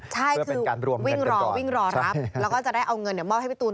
ใช่คือวิ่งรอวิ่งรอรับแล้วก็จะได้เอาเงินมอบให้พี่ตูน